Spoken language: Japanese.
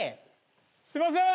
すいません！